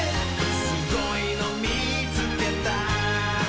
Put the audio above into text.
「すごいのみつけた」